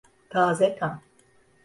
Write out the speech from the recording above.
Taze kan.